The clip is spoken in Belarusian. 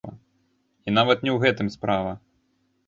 І нават не ў гэтым справа.